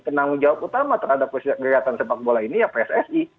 penanggung jawab utama terhadap kegiatan sepak bola ini ya pssi